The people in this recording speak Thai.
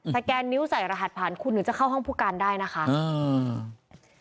แกนนิ้วใส่รหัสผ่านคุณถึงจะเข้าห้องผู้การได้นะคะอืม